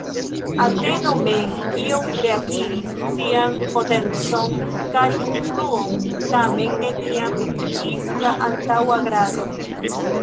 Ateno mem iom reakiris sian potencon kaj influon, tamen neniam ĝis la antaŭa grado.